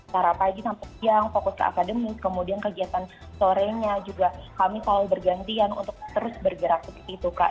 cara pagi sampai siang fokus ke akademis kemudian kegiatan sorenya juga kami selalu bergantian untuk terus bergerak seperti itu kak